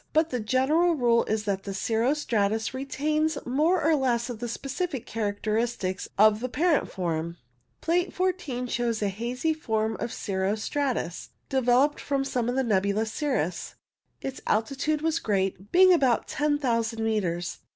But the general rule is that the cirro stratus retains more or less of the specific characters of the parent form. Plate 14 shows a hazy form of cirro stratus de veloped from the nebulous cirrus. Its altitude was great, being about 10,000 metres.